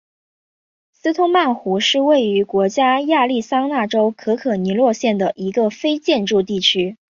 斯通曼湖是位于美国亚利桑那州可可尼诺县的一个非建制地区。